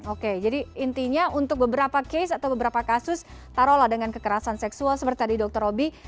oke jadi intinya untuk beberapa case atau beberapa kasus taruhlah dengan kekerasan seksual seperti tadi dokter roby